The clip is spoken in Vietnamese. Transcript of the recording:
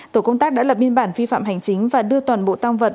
tổ công tác đã lập biên bản vi phạm hành chính và đưa toàn bộ tăng vật